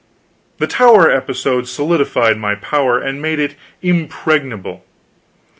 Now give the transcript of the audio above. The tower episode solidified my power, and made it impregnable.